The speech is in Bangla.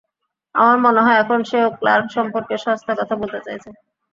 আমার মনে হয়, এখন সেও ক্লার্ক সম্পর্কে সস্তা কথা বলতে চাইছে।